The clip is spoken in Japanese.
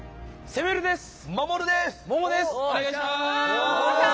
お願いします。